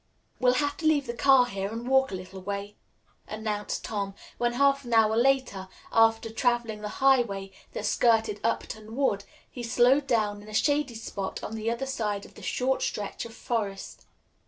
"We'll have to leave the car here and walk a little way," announced Tom, when half an hour later, after traveling the highway that skirted Upton Wood, he slowed down in a shady spot on the other side of the short stretch of forest.